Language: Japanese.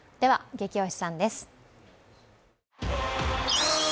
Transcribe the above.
ゲキ推しさんです。